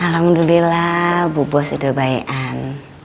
alhamdulillah bu bos udah kebaikan